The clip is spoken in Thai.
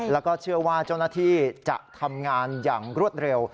แล้วก็เชื่อว่าเจ้าหน้าที่จะทำงานอย่างรวดเร็ว